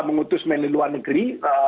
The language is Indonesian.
mengutus menu luar negeri